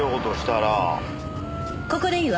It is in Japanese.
ここでいいわ。